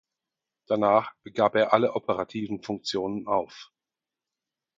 Danach gab er alle operativen Funktionen auf.